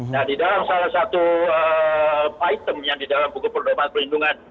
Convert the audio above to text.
nah di dalam salah satu item yang di dalam buku penerimaan perlindungan